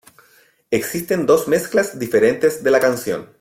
Existen dos mezclas diferentes de la canción.